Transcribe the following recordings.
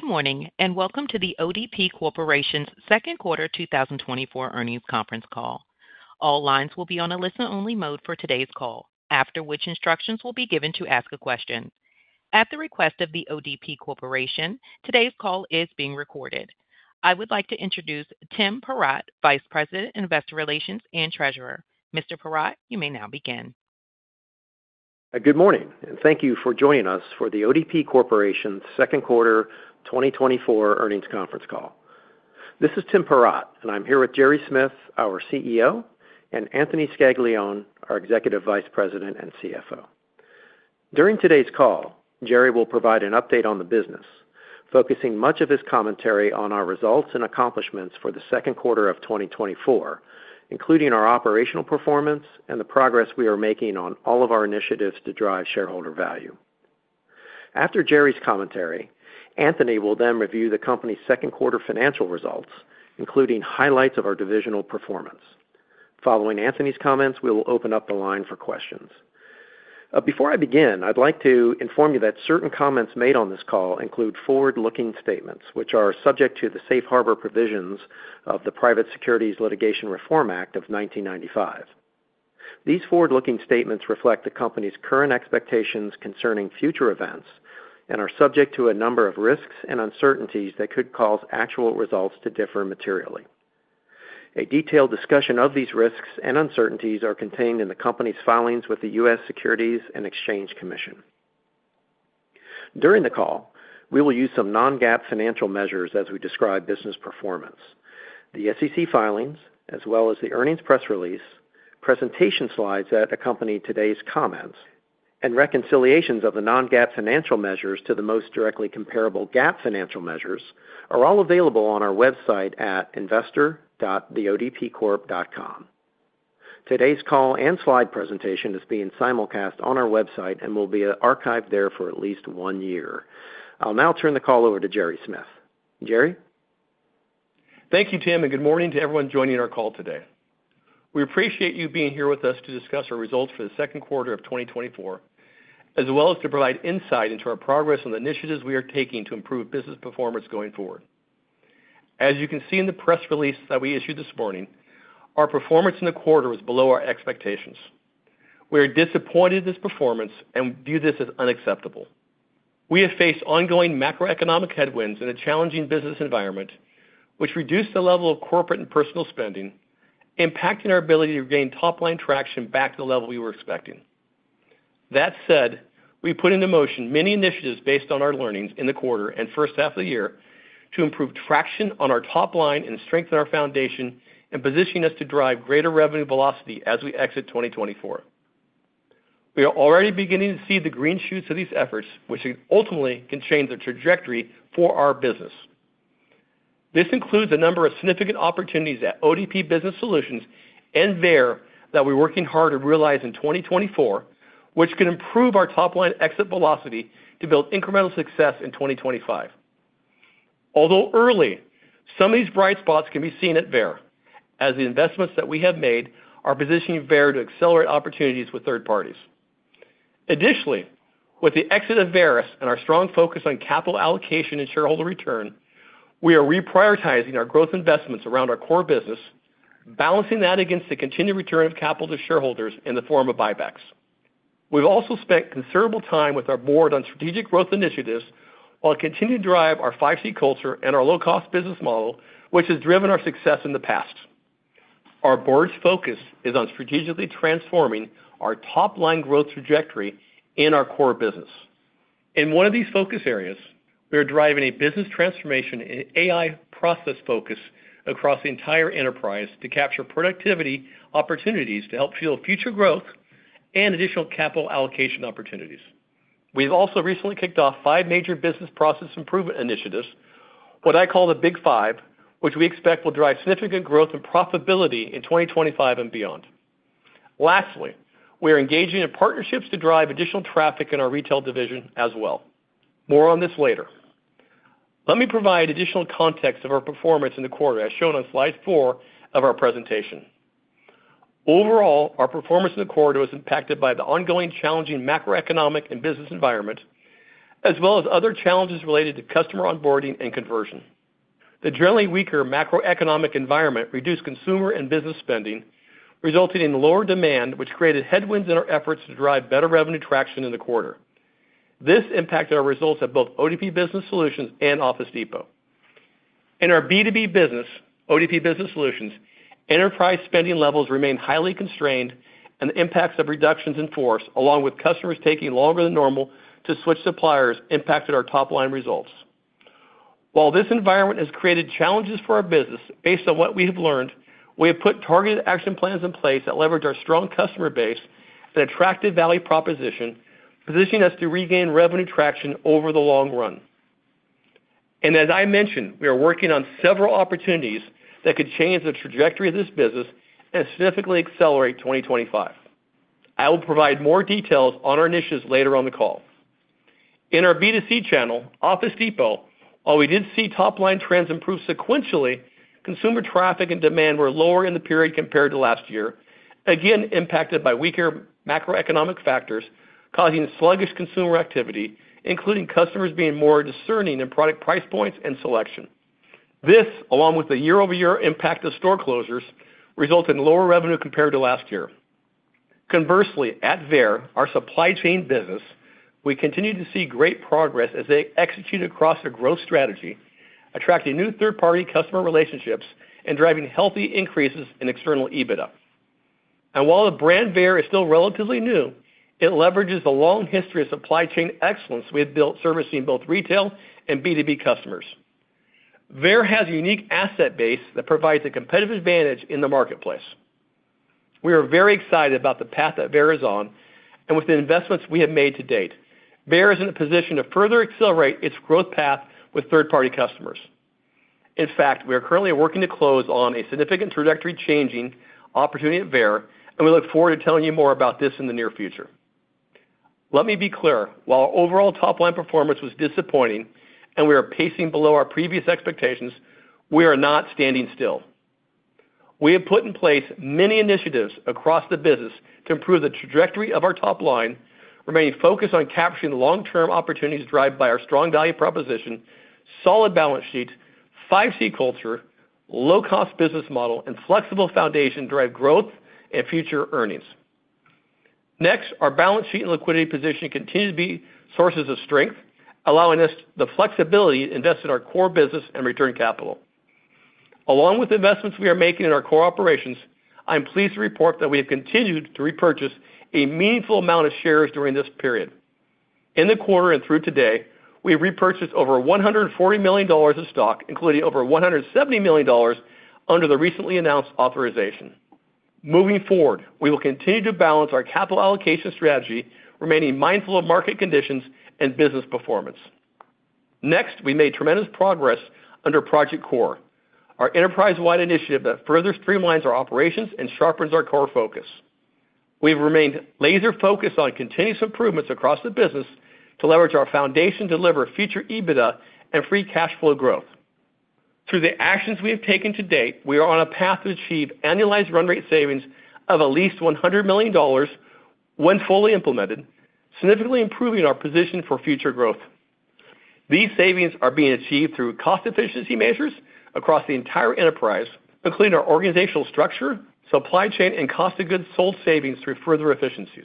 Good morning, and welcome to the ODP Corporation's Second Quarter 2024 Earnings Conference Call. All lines will be on a listen-only mode for today's call, after which instructions will be given to ask a question. At the request of the ODP Corporation, today's call is being recorded. I would like to introduce Tim Perrott, Vice President of Investor Relations, and Treasurer. Mr. Perrott, you may now begin. Good morning, and thank you for joining us for the ODP Corporation's Second Quarter 2024 Eearnings Conference Call. This is Tim Perrott, and I'm here with Gerry Smith, our Chief Executive Officer, and Anthony Scaglione, our Executive Vice President and Chief Financial Officer. During today's call, Gerry will provide an update on the business, focusing much of his commentary on our results and accomplishments for the second quarter of 2024, including our operational performance and the progress we are making on all of our initiatives to drive shareholder value. After Gerry's commentary, Anthony will then review the company's second quarter financial results, including highlights of our divisional performance. Following Anthony's comments, we will open up the line for questions. Before I begin, I'd like to inform you that certain comments made on this call include forward-looking statements, which are subject to the safe harbor provisions of the Private Securities Litigation Reform Act of 1995. These forward-looking statements reflect the company's current expectations concerning future events and are subject to a number of risks and uncertainties that could cause actual results to differ materially. A detailed discussion of these risks and uncertainties are contained in the company's filings with the U.S. Securities and Exchange Commission. During the call, we will use some non-GAAP financial measures as we describe business performance. The SEC filings, as well as the earnings press release, presentation slides that accompany today's comments, and reconciliations of the non-GAAP financial measures to the most directly comparable GAAP financial measures, are all available on our website at investor.theodpcorp.com. Today's call and slide presentation is being simulcast on our website and will be archived there for at least one year. I'll now turn the call over to Gerry Smith. Gerry? Thank you, Tim, and good morning to everyone joining our call today. We appreciate you being here with us to discuss our results for the second quarter of 2024, as well as to provide insight into our progress on the initiatives we are taking to improve business performance going forward. As you can see in the press release that we issued this morning, our performance in the quarter was below our expectations. We are disappointed in this performance and view this as unacceptable. We have faced ongoing macroeconomic headwinds in a challenging business environment, which reduced the level of corporate and personal spending, impacting our ability to gain top-line traction back to the level we were expecting. That said, we put into motion many initiatives based on our learnings in the quarter and first half of the year to improve traction on our top line and strengthen our foundation and positioning us to drive greater revenue velocity as we exit 2024. We are already beginning to see the green shoots of these efforts, which ultimately can change the trajectory for our business. This includes a number of significant opportunities at ODP Business Solutions and Veyer that we're working hard to realize in 2024, which can improve our top-line exit velocity to build incremental success in 2025. Although early, some of these bright spots can be seen at Veyer, as the investments that we have made are positioning Veyer to accelerate opportunities with third parties. Additionally, with the exit of Varis and our strong focus on capital allocation and shareholder return, we are reprioritizing our growth investments around our core business, balancing that against the continued return of capital to shareholders in the form of buybacks. We've also spent considerable time with our board on strategic growth initiatives, while continuing to drive our 5C culture and our low-cost business model, which has driven our success in the past. Our board's focus is on strategically transforming our top-line growth trajectory in our core business. In one of these focus areas, we are driving a business transformation and AI process focus across the entire enterprise to capture productivity, opportunities to help fuel future growth, and additional capital allocation opportunities. We've also recently kicked off five major business process improvement initiatives, what I call the Big Five, which we expect will drive significant growth and profitability in 2025 and beyond. Lastly, we are engaging in partnerships to drive additional traffic in our retail division as well. More on this later. Let me provide additional context of our performance in the quarter, as shown on slide four of our presentation. Overall, our performance in the quarter was impacted by the ongoing challenging macroeconomic and business environment, as well as other challenges related to customer onboarding and conversion. The generally weaker macroeconomic environment reduced consumer and business spending, resulting in lower demand, which created headwinds in our efforts to drive better revenue traction in the quarter. This impacted our results at both ODP Business Solutions and Office Depot. In our B2B business, ODP Business Solutions, enterprise spending levels remain highly constrained, and the impacts of reductions in force, along with customers taking longer than normal to switch suppliers, impacted our top-line results. While this environment has created challenges for our business, based on what we have learned, we have put targeted action plans in place that leverage our strong customer base and attractive value proposition, positioning us to regain revenue traction over the long run. And as I mentioned, we are working on several opportunities that could change the trajectory of this business and significantly accelerate 2025. I will provide more details on our initiatives later on the call. In our B2B channel, Office Depot, while we did see top-line trends improve sequentially-... Consumer traffic and demand were lower in the period compared to last year, again, impacted by weaker macroeconomic factors, causing sluggish consumer activity, including customers being more discerning in product price points and selection. This, along with the year-over-year impact of store closures, resulted in lower revenue compared to last year. Conversely, at Veyer, our supply chain business, we continue to see great progress as they execute across a growth strategy, attracting new third-party customer relationships and driving healthy increases in external EBITDA. And while the brand Veyer is still relatively new, it leverages the long history of supply chain excellence we have built servicing both retail and B2B customers. Veyer has a unique asset base that provides a competitive advantage in the marketplace. We are very excited about the path that Veyer is on, and with the investments we have made to date. Veyer is in a position to further accelerate its growth path with third-party customers. In fact, we are currently working to close on a significant trajectory-changing opportunity at Veyer, and we look forward to telling you more about this in the near future. Let me be clear, while our overall top-line performance was disappointing and we are pacing below our previous expectations, we are not standing still. We have put in place many initiatives across the business to improve the trajectory of our top line, remaining focused on capturing the long-term opportunities driven by our strong value proposition, solid balance sheet, 5C culture, low-cost business model, and flexible foundation to drive growth and future earnings. Next, our balance sheet and liquidity position continue to be sources of strength, allowing us the flexibility to invest in our core business and return capital. Along with the investments we are making in our core operations, I am pleased to report that we have continued to repurchase a meaningful amount of shares during this period. In the quarter and through today, we have repurchased over $140 million of stock, including over $170 million under the recently announced authorization. Moving forward, we will continue to balance our capital allocation strategy, remaining mindful of market conditions and business performance. Next, we made tremendous progress under Project Core, our enterprise-wide initiative that further streamlines our operations and sharpens our core focus. We've remained laser-focused on continuous improvements across the business to leverage our foundation, deliver future EBITDA, and free cash flow growth. Through the actions we have taken to date, we are on a path to achieve annualized run rate savings of at least $100 million when fully implemented, significantly improving our position for future growth. These savings are being achieved through cost efficiency measures across the entire enterprise, including our organizational structure, supply chain, and cost of goods sold savings through further efficiencies.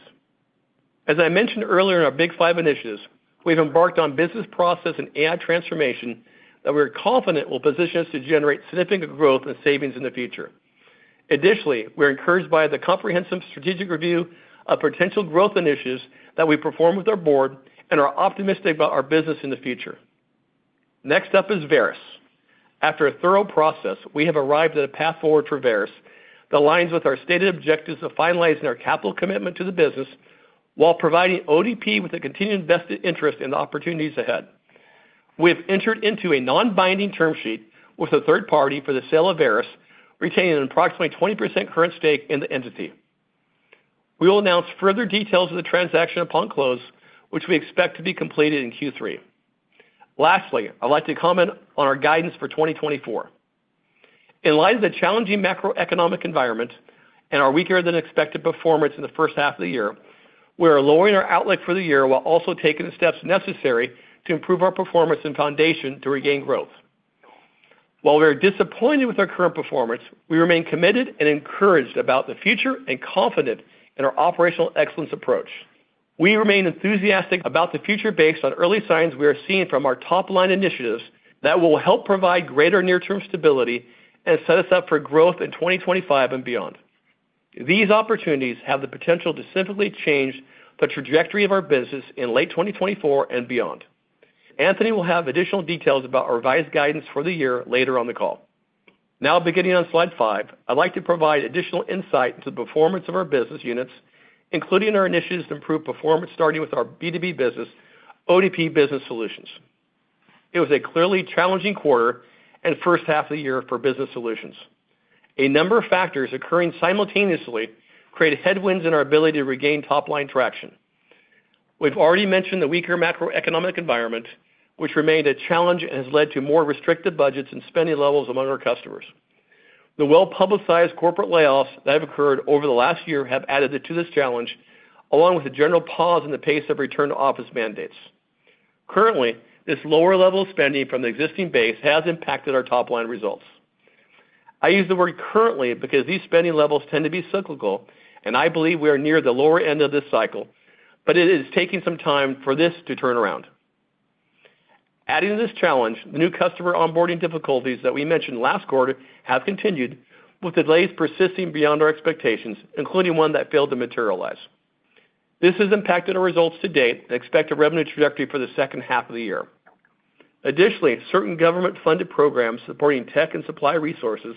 As I mentioned earlier in our Big Five initiatives, we've embarked on business process and AI transformation that we're confident will position us to generate significant growth and savings in the future. Additionally, we're encouraged by the comprehensive strategic review of potential growth initiatives that we perform with our board and are optimistic about our business in the future. Next up is Varis. After a thorough process, we have arrived at a path forward for Varis that aligns with our stated objectives of finalizing our capital commitment to the business while providing ODP with a continued vested interest in the opportunities ahead. We have entered into a non-binding term sheet with a third party for the sale of Varis, retaining an approximately 20% current stake in the entity. We will announce further details of the transaction upon close, which we expect to be completed in Q3. Lastly, I'd like to comment on our guidance for 2024. In light of the challenging macroeconomic environment and our weaker than expected performance in the first half of the year, we are lowering our outlook for the year, while also taking the steps necessary to improve our performance and foundation to regain growth. While we are disappointed with our current performance, we remain committed and encouraged about the future and confident in our operational excellence approach. We remain enthusiastic about the future based on early signs we are seeing from our top-line initiatives that will help provide greater near-term stability and set us up for growth in 2025 and beyond. These opportunities have the potential to significantly change the trajectory of our business in late 2024 and beyond. Anthony will have additional details about our revised guidance for the year later on the call. Now, beginning on slide five, I'd like to provide additional insight into the performance of our business units, including our initiatives to improve performance, starting with our B2B business, ODP Business Solutions. It was a clearly challenging quarter and first half of the year for Business Solutions. A number of factors occurring simultaneously created headwinds in our ability to regain top-line traction. We've already mentioned the weaker macroeconomic environment, which remained a challenge and has led to more restrictive budgets and spending levels among our customers. The well-publicized corporate layoffs that have occurred over the last year have added to this challenge, along with a general pause in the pace of return-to-office mandates. Currently, this lower level of spending from the existing base has impacted our top-line results. I use the word currently because these spending levels tend to be cyclical, and I believe we are near the lower end of this cycle, but it is taking some time for this to turn around. Adding to this challenge, the new customer onboarding difficulties that we mentioned last quarter have continued, with delays persisting beyond our expectations, including one that failed to materialize. This has impacted our results to date and expected revenue trajectory for the second half of the year. Additionally, certain government-funded programs supporting tech and supply resources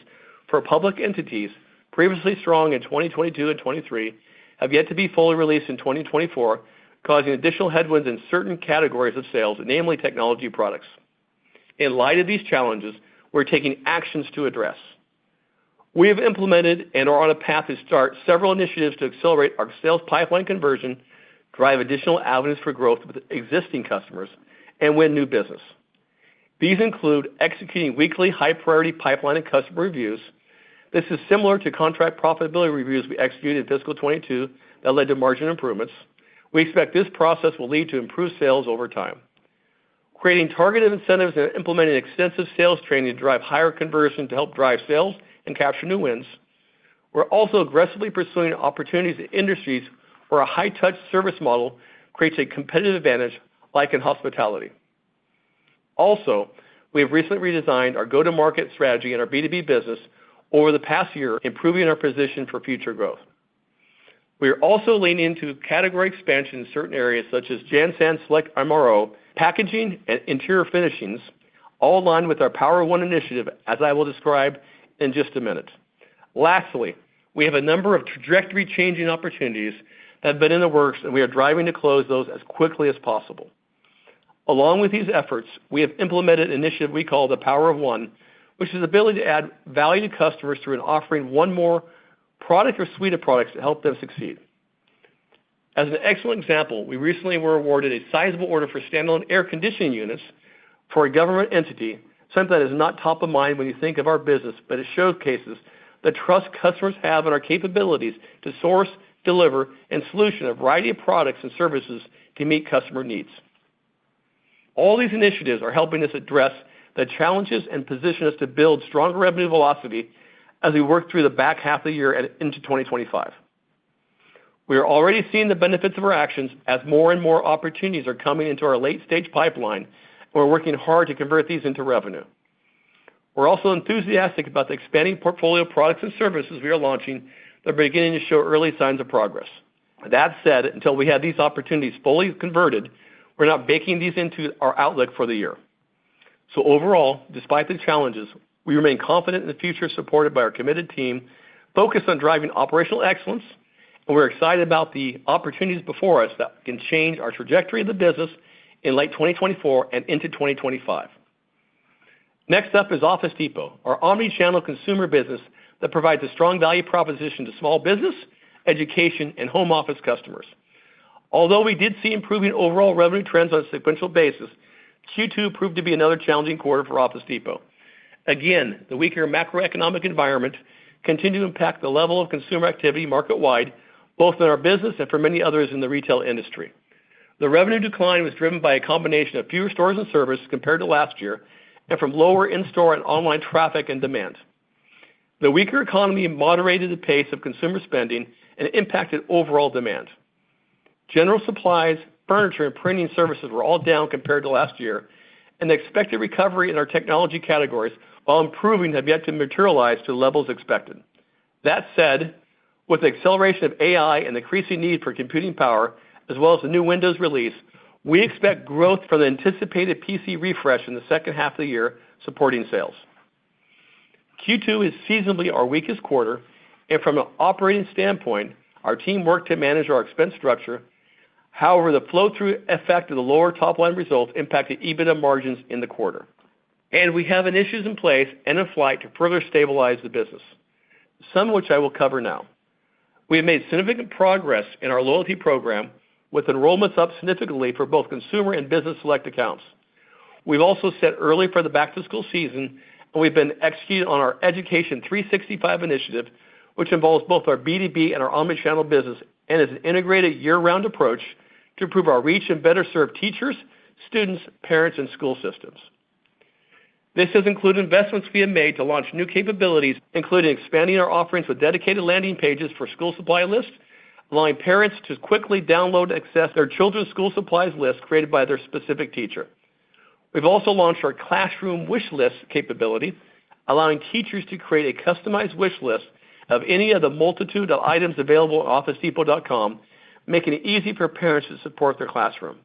for public entities, previously strong in 2022 and 2023, have yet to be fully released in 2024, causing additional headwinds in certain categories of sales, namely technology products. In light of these challenges, we're taking actions to address.... We have implemented and are on a path to start several initiatives to accelerate our sales pipeline conversion, drive additional avenues for growth with existing customers, and win new business. These include executing weekly high-priority pipeline and customer reviews. This is similar to contract profitability reviews we executed in fiscal 2022 that led to margin improvements. We expect this process will lead to improved sales over time. Creating targeted incentives and implementing extensive sales training to drive higher conversion to help drive sales and capture new wins. We're also aggressively pursuing opportunities in industries where a high-touch service model creates a competitive advantage, like in hospitality. Also, we have recently redesigned our go-to-market strategy in our B2B business over the past year, improving our position for future growth. We are also leaning into category expansion in certain areas such as JanSan, select MRO, packaging, and interior finishings, all aligned with our Power of One initiative, as I will describe in just a minute. Lastly, we have a number of trajectory-changing opportunities that have been in the works, and we are driving to close those as quickly as possible. Along with these efforts, we have implemented an initiative we call the Power of One, which is the ability to add value to customers through an offering one more product or suite of products to help them succeed. As an excellent example, we recently were awarded a sizable order for standalone air conditioning units for a government entity, something that is not top of mind when you think of our business, but it showcases the trust customers have in our capabilities to source, deliver, and solution a variety of products and services to meet customer needs. All these initiatives are helping us address the challenges and position us to build stronger revenue velocity as we work through the back half of the year and into 2025. We are already seeing the benefits of our actions as more and more opportunities are coming into our late-stage pipeline, and we're working hard to convert these into revenue. We're also enthusiastic about the expanding portfolio of products and services we are launching that are beginning to show early signs of progress. That said, until we have these opportunities fully converted, we're not baking these into our outlook for the year. So overall, despite the challenges, we remain confident in the future, supported by our committed team, focused on driving operational excellence, and we're excited about the opportunities before us that can change our trajectory of the business in late 2024 and into 2025. Next up is Office Depot, our omni-channel consumer business that provides a strong value proposition to small business, education, and home office customers. Although we did see improving overall revenue trends on a sequential basis, Q2 proved to be another challenging quarter for Office Depot. Again, the weaker macroeconomic environment continued to impact the level of consumer activity market-wide, both in our business and for many others in the retail industry. The revenue decline was driven by a combination of fewer stores and services compared to last year and from lower in-store and online traffic and demand. The weaker economy moderated the pace of consumer spending and impacted overall demand. General supplies, furniture, and printing services were all down compared to last year, and the expected recovery in our technology categories, while improving, have yet to materialize to the levels expected. That said, with the acceleration of AI and the increasing need for computing power, as well as the new Windows release, we expect growth from the anticipated PC refresh in the second half of the year, supporting sales. Q2 is seasonally our weakest quarter, and from an operating standpoint, our team worked to manage our expense structure. However, the flow-through effect of the lower top-line results impacted EBITDA margins in the quarter. And we have initiatives in place and in flight to further stabilize the business, some of which I will cover now. We have made significant progress in our loyalty program, with enrollments up significantly for both consumer and Business Select accounts. We've also set early for the back-to-school season, and we've been executing on our Education 365 initiative, which involves both our B2B and our omni-channel business, and is an integrated year-round approach to improve our reach and better serve teachers, students, parents, and school systems. This has included investments being made to launch new capabilities, including expanding our offerings with dedicated landing pages for school supply lists, allowing parents to quickly download and access their children's school supplies list created by their specific teacher. We've also launched our Classroom Wish List capability, allowing teachers to create a customized wish list of any of the multitude of items available on officedepot.com, making it easy for parents to support their classroom.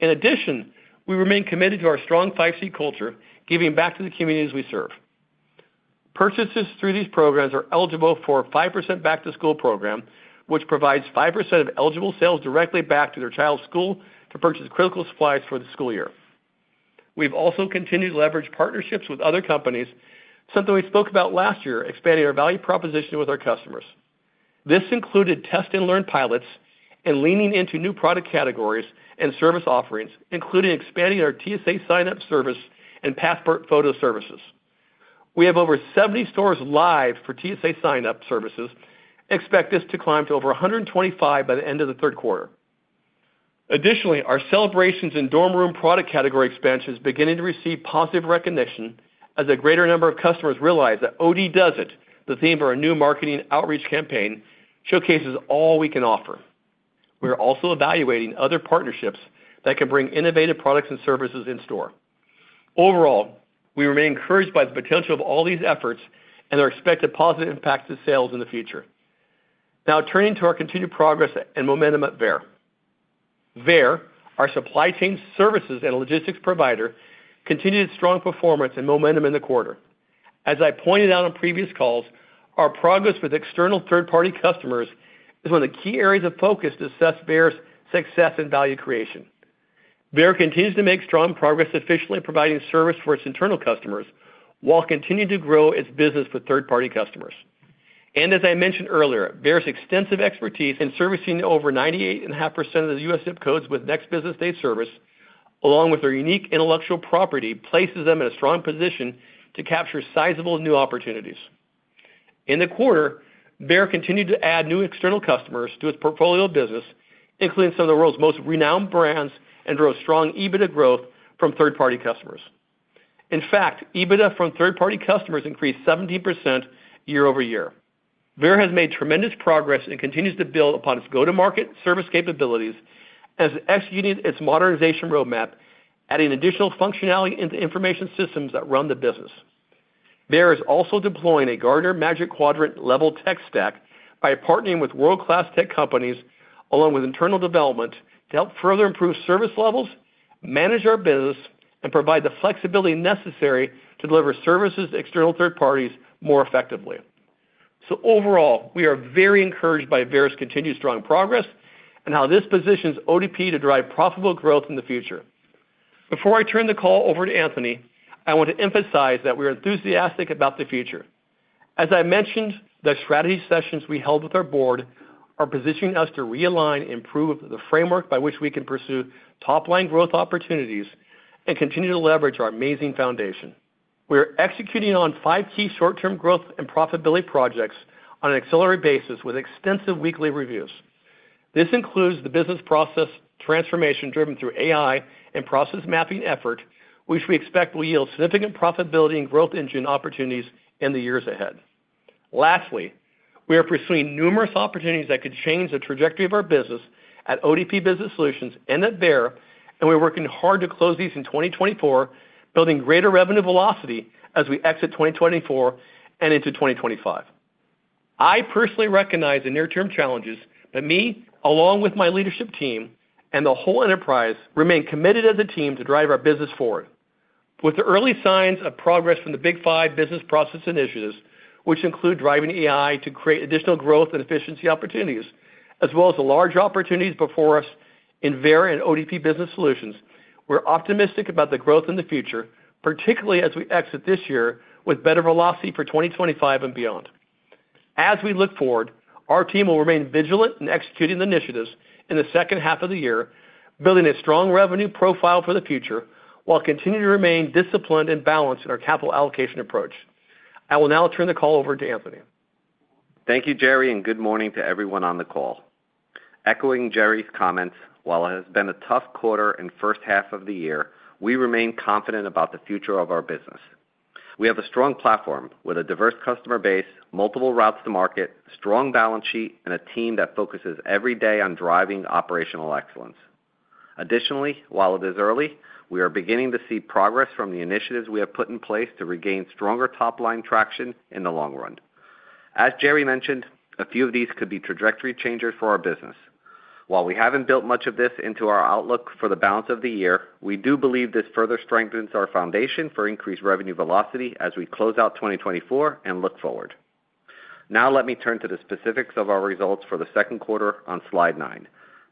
In addition, we remain committed to our strong 5C Culture, giving back to the communities we serve. Purchases through these programs are eligible for a 5% back-to-school program, which provides 5% of eligible sales directly back to their child's school to purchase critical supplies for the school year. We've also continued to leverage partnerships with other companies, something we spoke about last year, expanding our value proposition with our customers. This included test-and-learn pilots and leaning into new product categories and service offerings, including expanding our TSA signup service and passport photo services. We have over 70 stores live for TSA signup services and expect this to climb to over 125 by the end of the third quarter. Additionally, our celebrations in dorm room product category expansion is beginning to receive positive recognition as a greater number of customers realize that OD does it, the theme for our new marketing outreach campaign, showcases all we can offer. We are also evaluating other partnerships that can bring innovative products and services in store. Overall, we remain encouraged by the potential of all these efforts and their expected positive impact to sales in the future. Now, turning to our continued progress and momentum at Veyer. Veyer, our supply chain services and logistics provider, continued its strong performance and momentum in the quarter. As I pointed out on previous calls, our progress with external third-party customers is one of the key areas of focus to assess Veyer's success and value creation.... Veyer continues to make strong progress, efficiently providing service for its internal customers, while continuing to grow its business with third-party customers. And as I mentioned earlier, Veyer's extensive expertise in servicing over 98.5% of the U.S. zip codes with next business day service, along with their unique intellectual property, places them in a strong position to capture sizable new opportunities. In the quarter, Veyer continued to add new external customers to its portfolio of business, including some of the world's most renowned brands, and drove strong EBITDA growth from third-party customers. In fact, EBITDA from third-party customers increased 17% year-over-year. Veyer has made tremendous progress and continues to build upon its go-to-market service capabilities as it's executing its modernization roadmap, adding additional functionality into information systems that run the business. Veyer is also deploying a Gartner Magic Quadrant level tech stack by partnering with world-class tech companies, along with internal development, to help further improve service levels, manage our business, and provide the flexibility necessary to deliver services to external third parties more effectively. So overall, we are very encouraged by Veyer's continued strong progress and how this positions ODP to drive profitable growth in the future. Before I turn the call over to Anthony, I want to emphasize that we're enthusiastic about the future. As I mentioned, the strategy sessions we held with our board are positioning us to realign and improve the framework by which we can pursue top-line growth opportunities and continue to leverage our amazing foundation. We are executing on five key short-term growth and profitability projects on an accelerated basis with extensive weekly reviews. This includes the business process transformation driven through AI and process mapping effort, which we expect will yield significant profitability and growth engine opportunities in the years ahead. Lastly, we are pursuing numerous opportunities that could change the trajectory of our business at ODP Business Solutions and at Veyer, and we're working hard to close these in 2024, building greater revenue velocity as we exit 2024 and into 2025. I personally recognize the near-term challenges, but me, along with my leadership team and the whole enterprise, remain committed as a team to drive our business forward. With the early signs of progress from the Big Five business process initiatives, which include driving AI to create additional growth and efficiency opportunities, as well as the large opportunities before us in Veyer and ODP Business Solutions, we're optimistic about the growth in the future, particularly as we exit this year with better velocity for 2025 and beyond. As we look forward, our team will remain vigilant in executing the initiatives in the second half of the year, building a strong revenue profile for the future, while continuing to remain disciplined and balanced in our capital allocation approach. I will now turn the call over to Anthony. Thank you, Gerry, and good morning to everyone on the call. Echoing Gerry's comments, while it has been a tough quarter and first half of the year, we remain confident about the future of our business. We have a strong platform with a diverse customer base, multiple routes to market, strong balance sheet, and a team that focuses every day on driving operational excellence. Additionally, while it is early, we are beginning to see progress from the initiatives we have put in place to regain stronger top-line traction in the long run. As Gerry mentioned, a few of these could be trajectory changers for our business. While we haven't built much of this into our outlook for the balance of the year, we do believe this further strengthens our foundation for increased revenue velocity as we close out 2024 and look forward. Now let me turn to the specifics of our results for the second quarter on slide nine.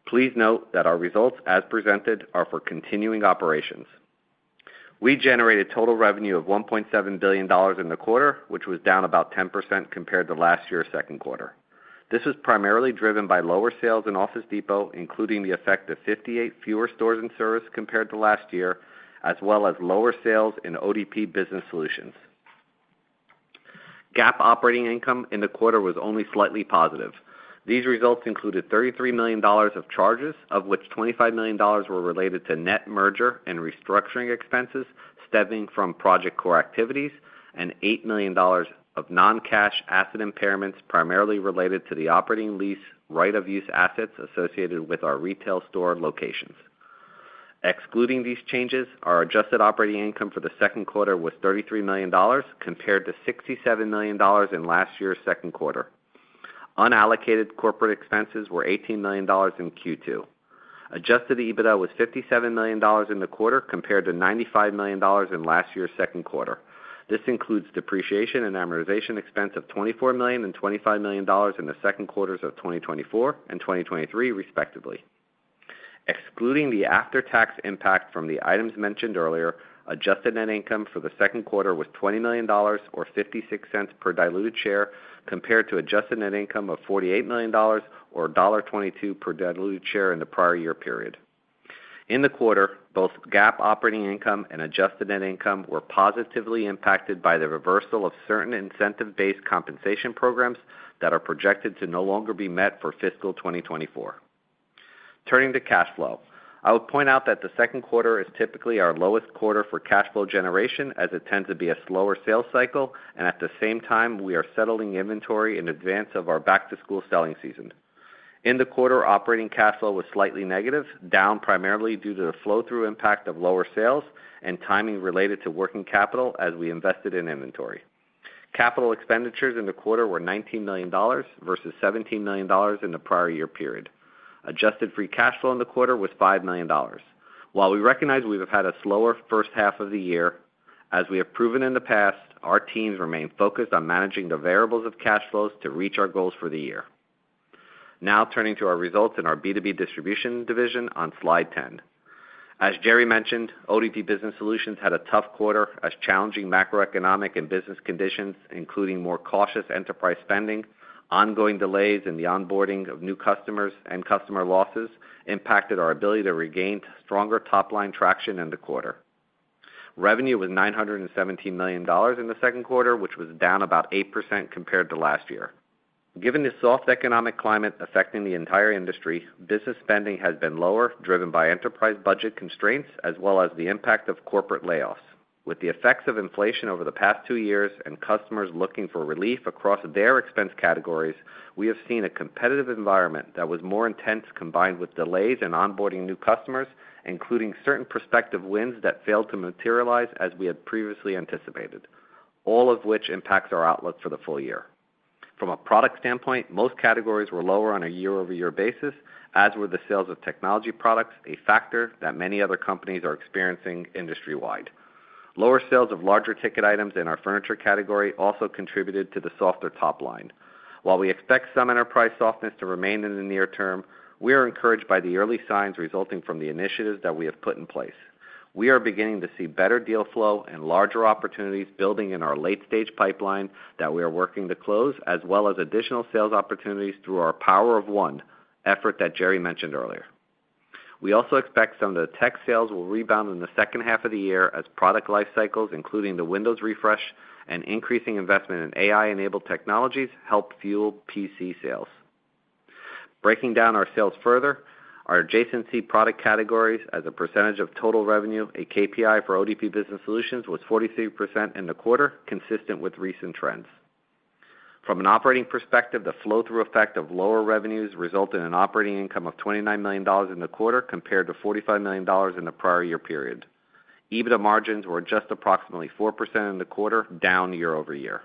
Please note that our results, as presented, are for continuing operations. We generated total revenue of $1.7 billion in the quarter, which was down about 10% compared to last year's second quarter. This was primarily driven by lower sales in Office Depot, including the effect of 58 fewer stores and service compared to last year, as well as lower sales in ODP Business Solutions. GAAP operating income in the quarter was only slightly positive. These results included $33 million of charges, of which $25 million were related to net merger and restructuring expenses stemming from Project Core activities, and $8 million of non-cash asset impairments, primarily related to the operating lease right of use assets associated with our retail store locations. Excluding these changes, our adjusted operating income for the second quarter was $33 million, compared to $67 million in last year's second quarter. Unallocated corporate expenses were $18 million in Q2. Adjusted EBITDA was $57 million in the quarter, compared to $95 million in last year's second quarter. This includes depreciation and amortization expense of $24 million and $25 million in the second quarters of 2024 and 2023, respectively. Excluding the after-tax impact from the items mentioned earlier, adjusted net income for the second quarter was $20 million or $0.56 per diluted share, compared to adjusted net income of $48 million or $1.22 per diluted share in the prior year period. In the quarter, both GAAP operating income and adjusted net income were positively impacted by the reversal of certain incentive-based compensation programs that are projected to no longer be met for fiscal 2024. Turning to cash flow. I would point out that the second quarter is typically our lowest quarter for cash flow generation, as it tends to be a slower sales cycle, and at the same time, we are settling inventory in advance of our back-to-school selling season. In the quarter, operating cash flow was slightly negative, down primarily due to the flow-through impact of lower sales and timing related to working capital as we invested in inventory. Capital expenditures in the quarter were $19 million versus $17 million in the prior year period. Adjusted free cash flow in the quarter was $5 million. While we recognize we have had a slower first half of the year, as we have proven in the past, our teams remain focused on managing the variables of cash flows to reach our goals for the year. Now turning to our results in our B2B Distribution division on slide 10. As Gerry mentioned, ODP Business Solutions had a tough quarter as challenging macroeconomic and business conditions, including more cautious enterprise spending, ongoing delays in the onboarding of new customers and customer losses, impacted our ability to regain stronger top-line traction in the quarter. Revenue was $917 million in the second quarter, which was down about 8% compared to last year. Given the soft economic climate affecting the entire industry, business spending has been lower, driven by enterprise budget constraints, as well as the impact of corporate layoffs. With the effects of inflation over the past two years and customers looking for relief across their expense categories, we have seen a competitive environment that was more intense, combined with delays in onboarding new customers, including certain prospective wins that failed to materialize as we had previously anticipated, all of which impacts our outlook for the full year. From a product standpoint, most categories were lower on a year-over-year basis, as were the sales of technology products, a factor that many other companies are experiencing industry-wide. Lower sales of larger ticket items in our furniture category also contributed to the softer top line. While we expect some enterprise softness to remain in the near term, we are encouraged by the early signs resulting from the initiatives that we have put in place. We are beginning to see better deal flow and larger opportunities building in our late-stage pipeline that we are working to close, as well as additional sales opportunities through our Power of One effort that Gerry mentioned earlier. We also expect some of the tech sales will rebound in the second half of the year as product life cycles, including the Windows refresh and increasing investment in AI-enabled technologies, help fuel PC sales. Breaking down our sales further, our adjacency product categories as a percentage of total revenue, a KPI for ODP Business Solutions, was 43% in the quarter, consistent with recent trends. From an operating perspective, the flow-through effect of lower revenues resulted in operating income of $29 million in the quarter, compared to $45 million in the prior year period. EBITDA margins were just approximately 4% in the quarter, down year-over-year.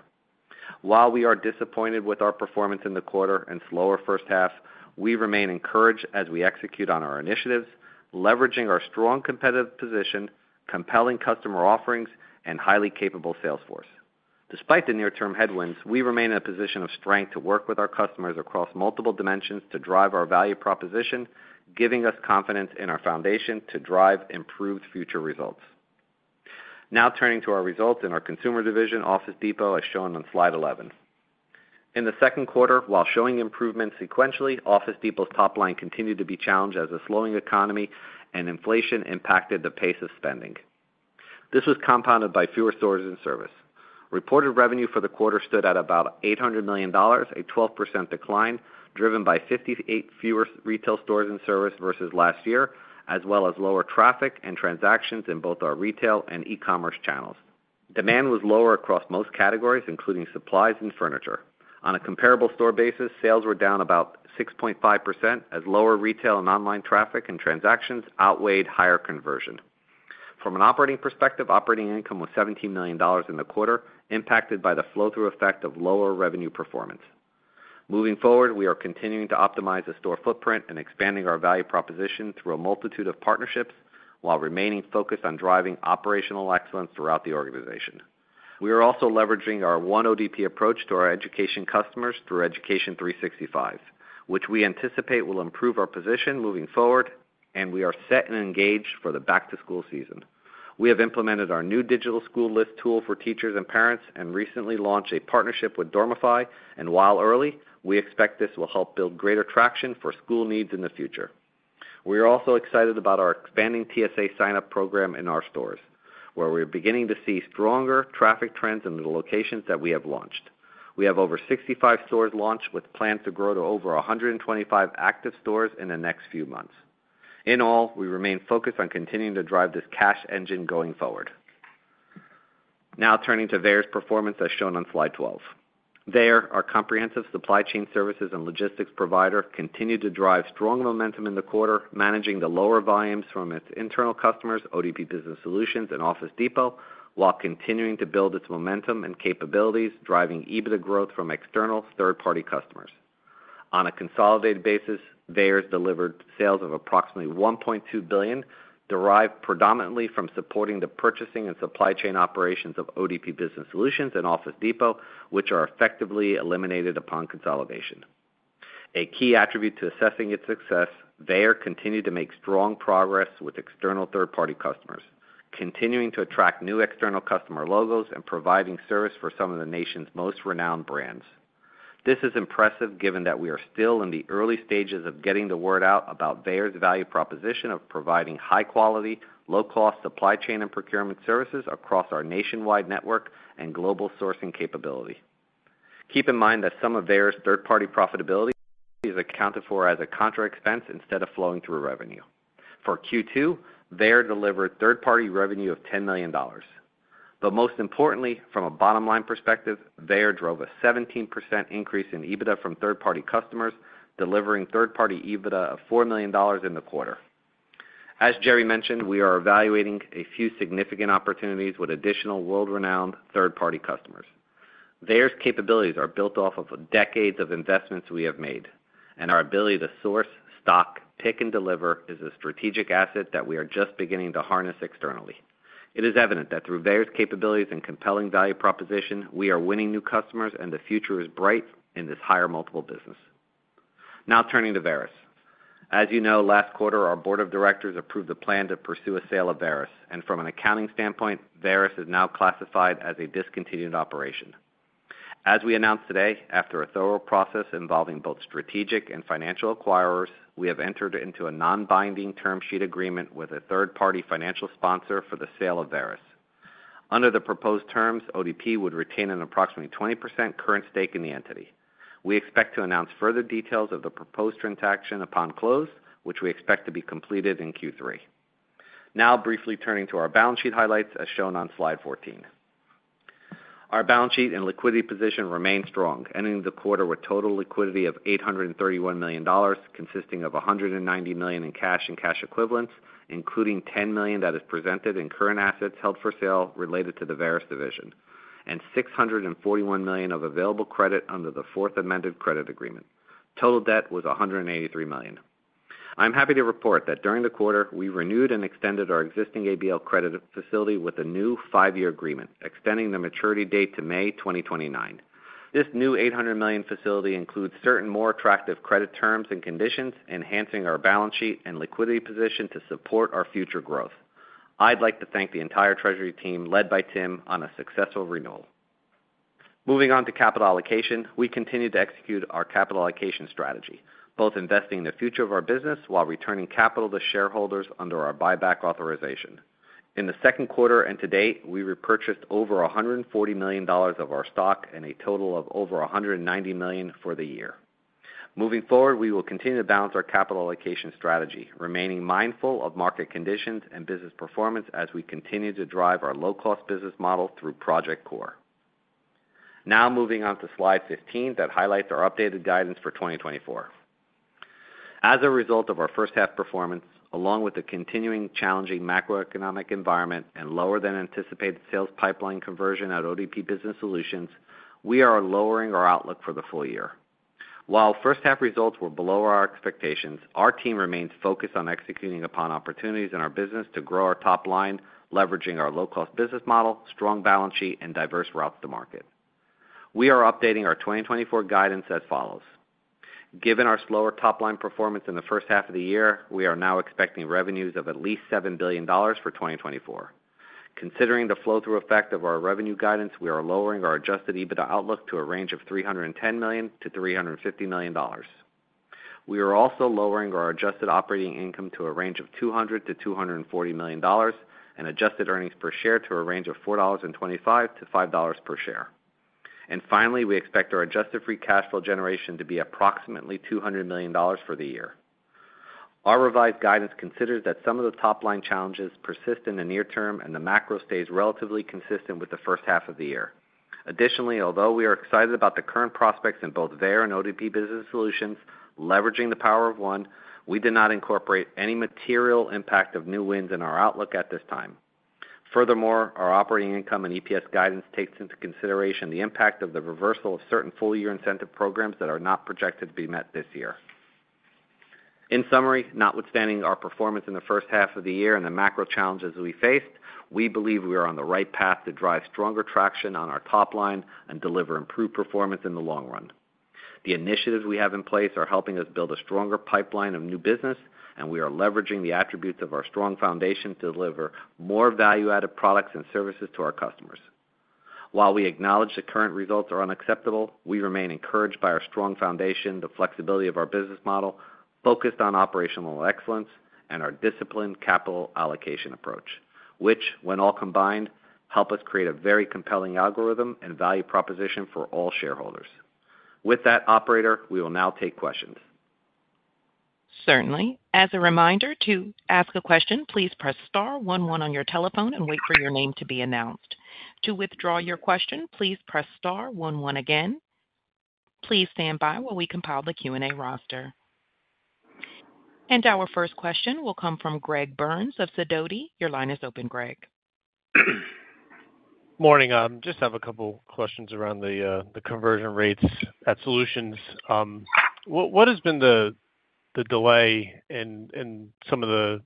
While we are disappointed with our performance in the quarter and slower first half, we remain encouraged as we execute on our initiatives, leveraging our strong competitive position, compelling customer offerings, and highly capable sales force. Despite the near-term headwinds, we remain in a position of strength to work with our customers across multiple dimensions to drive our value proposition, giving us confidence in our foundation to drive improved future results. Now turning to our results in our Consumer division, Office Depot, as shown on slide 11. In the second quarter, while showing improvement sequentially, Office Depot's top line continued to be challenged as a slowing economy and inflation impacted the pace of spending. This was compounded by fewer stores and service. Reported revenue for the quarter stood at about $800 million, a 12% decline, driven by 58 fewer retail stores in service versus last year, as well as lower traffic and transactions in both our retail and e-commerce channels. Demand was lower across most categories, including supplies and furniture. On a comparable store basis, sales were down about 6.5%, as lower retail and online traffic and transactions outweighed higher conversion. From an operating perspective, operating income was $17 million in the quarter, impacted by the flow-through effect of lower revenue performance. Moving forward, we are continuing to optimize the store footprint and expanding our value proposition through a multitude of partnerships, while remaining focused on driving operational excellence throughout the organization. We are also leveraging our one ODP approach to our education customers through Education 365, which we anticipate will improve our position moving forward, and we are set and engaged for the back-to-school season. We have implemented our new digital school list tool for teachers and parents, and recently launched a partnership with Dormify, and while early, we expect this will help build greater traction for school needs in the future. We are also excited about our expanding TSA signup program in our stores, where we are beginning to see stronger traffic trends in the locations that we have launched. We have over 65 stores launched, with plans to grow to over 125 active stores in the next few months. In all, we remain focused on continuing to drive this cash engine going forward. Now turning to Veyer's performance, as shown on slide 12. Veyer, our comprehensive supply chain services and logistics provider, continued to drive strong momentum in the quarter, managing the lower volumes from its internal customers, ODP Business Solutions and Office Depot, while continuing to build its momentum and capabilities, driving EBITDA growth from external third-party customers. On a consolidated basis, Veyer's delivered sales of approximately $1.2 billion, derived predominantly from supporting the purchasing and supply chain operations of ODP Business Solutions and Office Depot, which are effectively eliminated upon consolidation. A key attribute to assessing its success, Veyer continued to make strong progress with external third-party customers, continuing to attract new external customer logos and providing service for some of the nation's most renowned brands. This is impressive, given that we are still in the early stages of getting the word out about Veyer's value proposition of providing high-quality, low-cost supply chain and procurement services across our nationwide network and global sourcing capability. Keep in mind that some of Veyer's third-party profitability is accounted for as a contra expense instead of flowing through revenue. For Q2, Veyer delivered third-party revenue of $10 million. But most importantly, from a bottom-line perspective, Veyer drove a 17% increase in EBITDA from third-party customers, delivering third-party EBITDA of $4 million in the quarter. As Gerry mentioned, we are evaluating a few significant opportunities with additional world-renowned third-party customers. Veyer's capabilities are built off of decades of investments we have made, and our ability to source, stock, pick, and deliver is a strategic asset that we are just beginning to harness externally. It is evident that through Veyer capabilities and compelling value proposition, we are winning new customers, and the future is bright in this higher multiple business. Now turning to Veyer. As you know, last quarter, our board of directors approved a plan to pursue a sale of Veyer, and from an accounting standpoint, Veyer is now classified as a discontinued operation. As we announced today, after a thorough process involving both strategic and financial acquirers, we have entered into a non-binding term sheet agreement with a third-party financial sponsor for the sale of Veyer. Under the proposed terms, ODP would retain an approximately 20% current stake in the entity. We expect to announce further details of the proposed transaction upon close, which we expect to be completed in Q3. Now, briefly turning to our balance sheet highlights, as shown on Slide 14. Our balance sheet and liquidity position remain strong, ending the quarter with total liquidity of $831 million, consisting of $190 million in cash and cash equivalents, including $10 million that is presented in current assets held for sale related to the Varis division, and $641 million of available credit under the fourth amended credit agreement. Total debt was $183 million. I'm happy to report that during the quarter, we renewed and extended our existing ABL credit facility with a new five-year agreement, extending the maturity date to May 2029. This new $800 million facility includes certain more attractive credit terms and conditions, enhancing our balance sheet and liquidity position to support our future growth. I'd like to thank the entire treasury team, led by Tim, on a successful renewal. Moving on to capital allocation. We continue to execute our capital allocation strategy, both investing in the future of our business while returning capital to shareholders under our buyback authorization. In the second quarter and to date, we repurchased over $140 million of our stock and a total of over $190 million for the year. Moving forward, we will continue to balance our capital allocation strategy, remaining mindful of market conditions and business performance as we continue to drive our low-cost business model through Project Core. Now moving on to Slide 15, that highlights our updated guidance for 2024. As a result of our first half performance, along with the continuing challenging macroeconomic environment and lower than anticipated sales pipeline conversion at ODP Business Solutions, we are lowering our outlook for the full year. While first half results were below our expectations, our team remains focused on executing upon opportunities in our business to grow our top line, leveraging our low-cost business model, strong balance sheet, and diverse routes to market. We are updating our 2024 guidance as follows: Given our slower top-line performance in the first half of the year, we are now expecting revenues of at least $7 billion for 2024. Considering the flow-through effect of our revenue guidance, we are lowering our Adjusted EBITDA outlook to a range of $310 million-$350 million. We are also lowering our Adjusted operating income to a range of $200 million-$240 million, and Adjusted earnings per share to a range of $4.25-$5 per share. And finally, we expect our Adjusted Free Cash Flow generation to be approximately $200 million for the year. Our revised guidance considers that some of the top-line challenges persist in the near term, and the macro stays relatively consistent with the first half of the year. Additionally, although we are excited about the current prospects in both Veyer and ODP Business Solutions, leveraging the Power of One, we did not incorporate any material impact of new wins in our outlook at this time. Furthermore, our operating income and EPS guidance takes into consideration the impact of the reversal of certain full-year incentive programs that are not projected to be met this year. In summary, notwithstanding our performance in the first half of the year and the macro challenges we faced, we believe we are on the right path to drive stronger traction on our top line and deliver improved performance in the long run. The initiatives we have in place are helping us build a stronger pipeline of new business, and we are leveraging the attributes of our strong foundation to deliver more value-added products and services to our customers. While we acknowledge the current results are unacceptable, we remain encouraged by our strong foundation, the flexibility of our business model, focused on operational excellence, and our disciplined capital allocation approach, which, when all combined, help us create a very compelling algorithm and value proposition for all shareholders. With that, operator, we will now take questions. Certainly. As a reminder, to ask a question, please press star one one on your telephone and wait for your name to be announced. To withdraw your question, please press star one one again. Please stand by while we compile the Q&A roster. And our first question will come from Greg Burns of Sidoti. Your line is open, Greg. Morning. Just have a couple questions around the, the conversion rates at Solutions. What, what has been the, the delay in, in some of the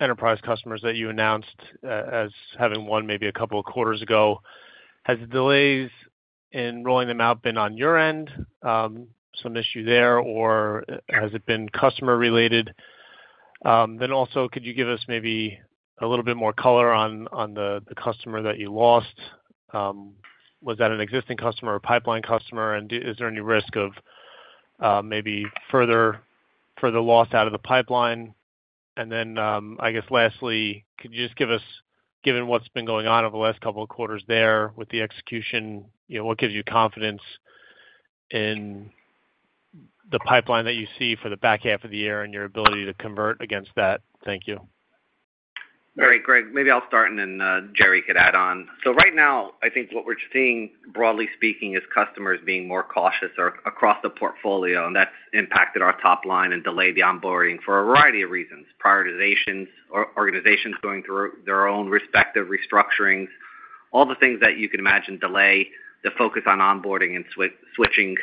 enterprise customers that you announced, as having won maybe a couple of quarters ago? Has the delays in rolling them out been on your end, some issue there, or has it been customer-related? Then also, could you give us maybe a little bit more color on, on the, the customer that you lost? Was that an existing customer or a pipeline customer, and is there any risk of, maybe further, further loss out of the pipeline? And then, I guess lastly, could you just give us, given what's been going on over the last couple of quarters there with the execution, you know, what gives you confidence in the pipeline that you see for the back half of the year and your ability to convert against that? Thank you. All right, Greg, maybe I'll start, and then Gerry could add on. So right now, I think what we're seeing, broadly speaking, is customers being more cautious across the portfolio, and that's impacted our top line and delayed the onboarding for a variety of reasons, prioritizations, or organizations going through their own respective restructurings... all the things that you can imagine delay the focus on onboarding and switching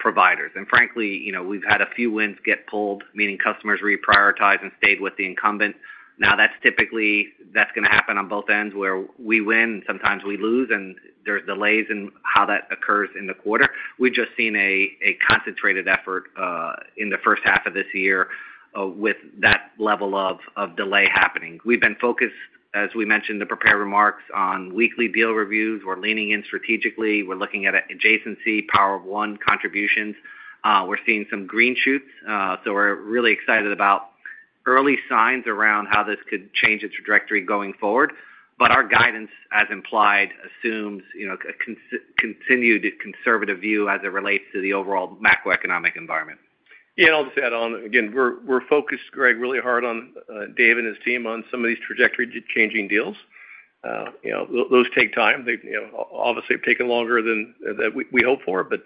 providers. And frankly, you know, we've had a few wins get pulled, meaning customers reprioritize and stayed with the incumbent. Now, that's typically gonna happen on both ends, where we win, sometimes we lose, and there's delays in how that occurs in the quarter. We've just seen a concentrated effort in the first half of this year with that level of delay happening. We've been focused, as we mentioned, the prepared remarks on weekly deal reviews. We're leaning in strategically. We're looking at adjacency, Power of One contributions. We're seeing some green shoots, so we're really excited about early signs around how this could change its trajectory going forward. But our guidance, as implied, assumes, you know, a continued conservative view as it relates to the overall macroeconomic environment. Yeah, and I'll just add on. Again, we're focused, Greg, really hard on Dave and his team on some of these trajectory-changing deals. You know, those take time. They, you know, obviously, have taken longer than we hope for, but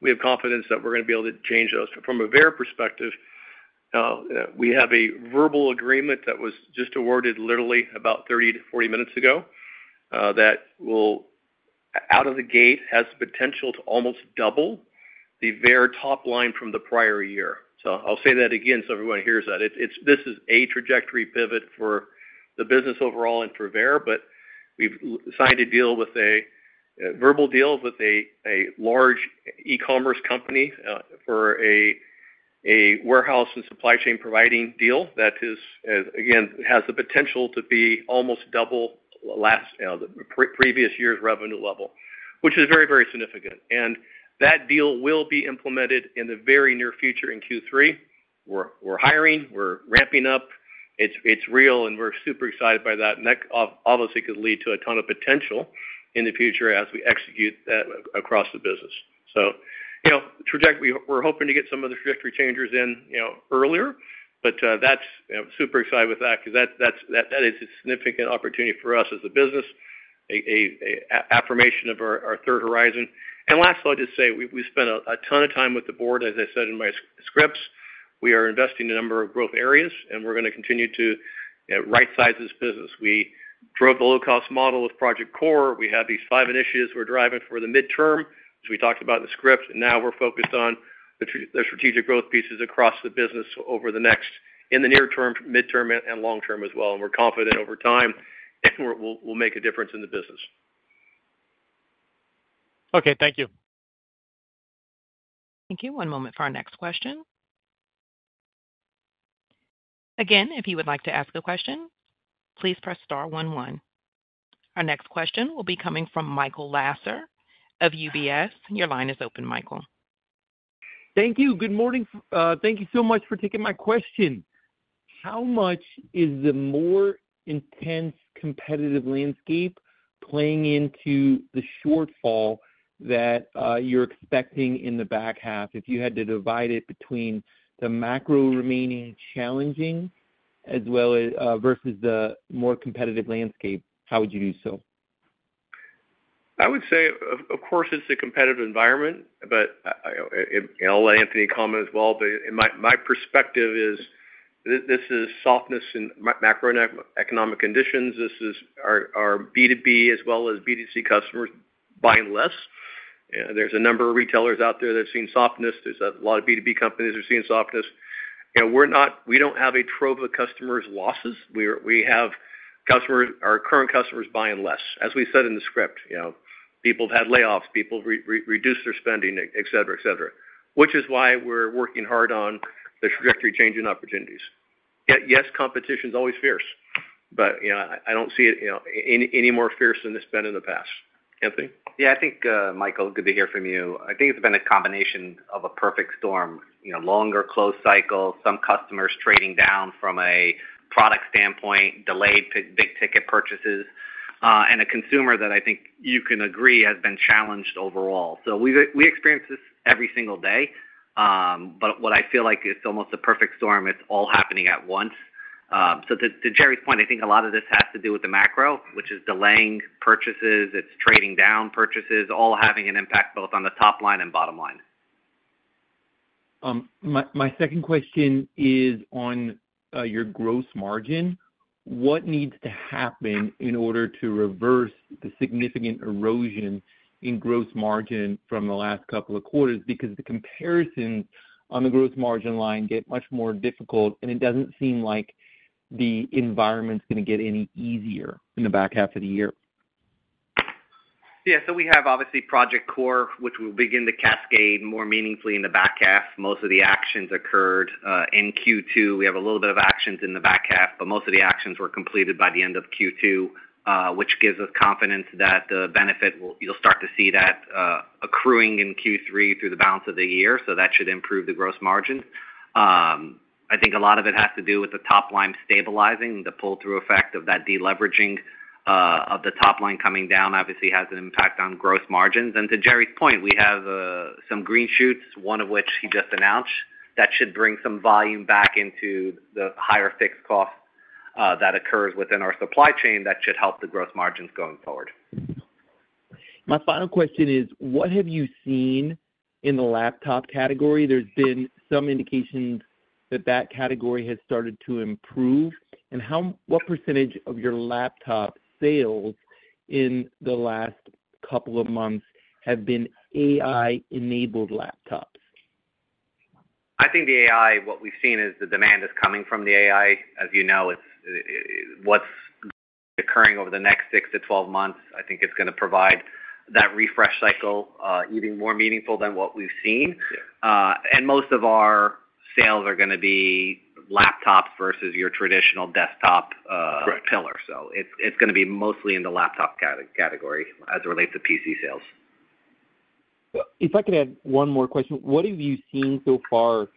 we have confidence that we're gonna be able to change those. From a Veyer perspective, we have a verbal agreement that was just awarded literally about 30-40 minutes ago, that will, out of the gate, has the potential to almost double the Veyer top line from the prior year. So I'll say that again, so everyone hears that. It's this is a trajectory pivot for the business overall and for Veyer, but we've signed a verbal deal with a large e-commerce company for a warehouse and supply chain providing deal that is again has the potential to be almost double last, you know, the previous year's revenue level, which is very, very significant. And that deal will be implemented in the very near future in Q3. We're hiring, we're ramping up. It's real, and we're super excited by that, and that obviously could lead to a ton of potential in the future as we execute that across the business. So, you know, trajectory, we're hoping to get some of the trajectory changers in, you know, earlier, but that's, you know, super excited with that because that, that's that is a significant opportunity for us as a business, an affirmation of our third horizon. And lastly, I'll just say, we spent a ton of time with the board, as I said in my scripts. We are investing in a number of growth areas, and we're gonna continue to right size this business. We drove the low-cost model with Project Core. We have these five initiatives we're driving for the midterm, as we talked about in the script, and now we're focused on the strategic growth pieces across the business over the next... In the near term, midterm, and long term as well, and we're confident over time, it will make a difference in the business. Okay, thank you. Thank you. One moment for our next question. Again, if you would like to ask a question, please press star one one. Our next question will be coming from Michael Lasser of UBS. Your line is open, Michael. Thank you. Good morning. Thank you so much for taking my question. How much is the more intense competitive landscape playing into the shortfall that you're expecting in the back half? If you had to divide it between the macro remaining challenging, as well as versus the more competitive landscape, how would you do so? I would say, of course, it's a competitive environment, but and I'll let Anthony comment as well. But in my perspective, this is softness in macroeconomic conditions. This is our B2B as well as B2C customers buying less. There's a number of retailers out there that have seen softness. There's a lot of B2B companies who are seeing softness. You know, we're not. We don't have a trove of customer losses. We have customers, our current customers buying less. As we said in the script, you know, people have had layoffs, people reduced their spending, et cetera, et cetera, which is why we're working hard on the trajectory-changing opportunities. Yet, yes, competition is always fierce, but, you know, I don't see it, you know, any more fierce than it's been in the past. Anthony? Yeah, I think, Michael, good to hear from you. I think it's been a combination of a perfect storm, you know, longer close cycles, some customers trading down from a product standpoint, delayed big ticket purchases, and a consumer that I think you can agree, has been challenged overall. So we experience this every single day, but what I feel like is almost a perfect storm, it's all happening at once. So to Gerry's point, I think a lot of this has to do with the macro, which is delaying purchases, it's trading down purchases, all having an impact both on the top line and bottom line. My second question is on your gross margin. What needs to happen in order to reverse the significant erosion in gross margin from the last couple of quarters? Because the comparison on the gross margin line get much more difficult, and it doesn't seem like the environment's gonna get any easier in the back half of the year. Yeah, so we have obviously Project Core, which will begin to cascade more meaningfully in the back half. Most of the actions occurred in Q2. We have a little bit of actions in the back half, but most of the actions were completed by the end of Q2, which gives us confidence that the benefit you'll start to see that accruing in Q3 through the balance of the year, so that should improve the gross margin. I think a lot of it has to do with the top line stabilizing, the pull-through effect of that deleveraging of the top line coming down, obviously, has an impact on gross margins. And to Gerry's point, we have some green shoots, one of which he just announced, that should bring some volume back into the higher fixed cost that occurs within our supply chain. That should help the gross margins going forward. My final question is, what have you seen in the laptop category? There's been some indications that that category has started to improve. And what percentage of your laptop sales in the last couple of months have been AI-enabled laptops? I think the AI, what we've seen is the demand is coming from the AI. As you know, it's what's occurring over the next 6-12 months, I think it's gonna provide that refresh cycle, even more meaningful than what we've seen. And most of our sales are gonna be laptops versus your traditional desktop pillar. It's gonna be mostly in the laptop category as it relates to PC sales. If I could add one more question. What have you seen so far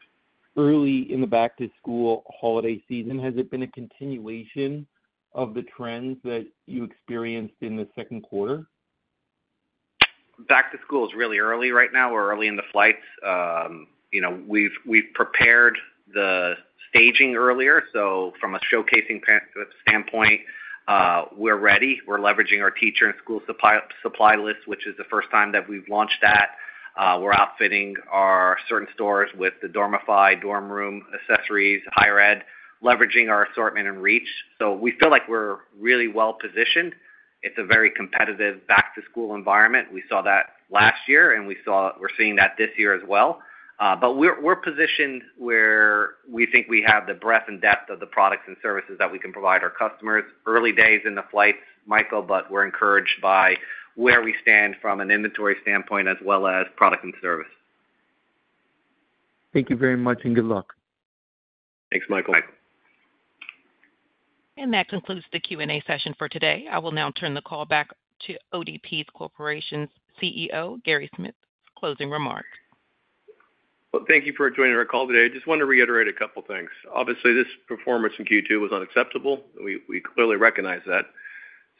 early in the back-to-school holiday season? Has it been a continuation of the trends that you experienced in the second quarter? Back to school is really early right now. We're early in the flights. You know, we've prepared the staging earlier, so from a showcasing standpoint, we're ready. We're leveraging our teacher and school supply list, which is the first time that we've launched that. We're outfitting our certain stores with the Dormify dorm room accessories, higher ed, leveraging our assortment and reach. So we feel like we're really well positioned. It's a very competitive back-to-school environment. We saw that last year, and we're seeing that this year as well. But we're positioned where we think we have the breadth and depth of the products and services that we can provide our customers. Early days in the flights, Michael, but we're encouraged by where we stand from an inventory standpoint as well as product and service. Thank you very much, and good luck. Thanks, Michael. That concludes the Q&A session for today. I will now turn the call back to The ODP Corporation's Chief Executive Officer, Gerry Smith, for closing remarks. Well, thank you for joining our call today. I just want to reiterate a couple things. Obviously, this performance in Q2 was unacceptable. We, we clearly recognize that.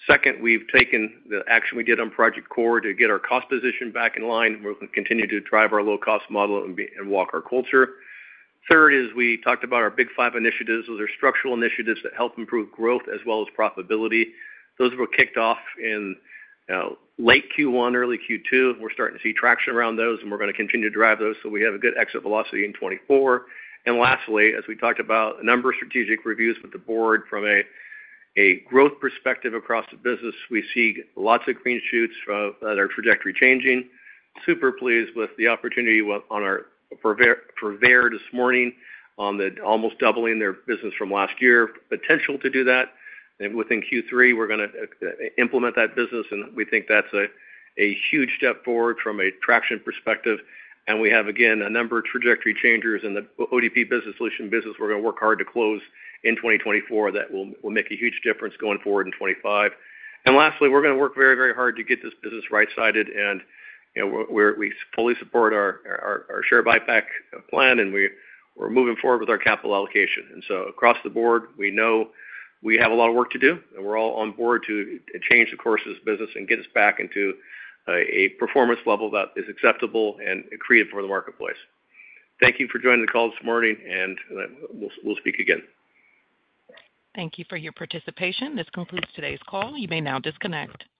Second, we've taken the action we did on Project Core to get our cost position back in line, where we can continue to drive our low-cost model and be and walk our culture. Third is, we talked about our Big Five initiatives. Those are structural initiatives that help improve growth as well as profitability. Those were kicked off in late Q1, early Q2. We're starting to see traction around those, and we're gonna continue to drive those so we have a good exit velocity in 2024. And lastly, as we talked about, a number of strategic reviews with the board from a growth perspective across the business, we see lots of green shoots from at our trajectory changing. Super pleased with the opportunity with on our Veyer this morning on the almost doubling their business from last year. Potential to do that. And within Q3, we're gonna implement that business, and we think that's a huge step forward from a traction perspective. And we have, again, a number of trajectory changers in the ODP Business Solutions business. We're gonna work hard to close in 2024. That will make a huge difference going forward in 2025. And lastly, we're gonna work very, very hard to get this business right-sided, and you know, we fully support our share buyback plan, and we're moving forward with our capital allocation. And so across the board, we know we have a lot of work to do, and we're all on board to change the course of this business and get us back into a performance level that is acceptable and created for the marketplace. Thank you for joining the call this morning, and we'll speak again. Thank you for your participation. This concludes today's call. You may now disconnect.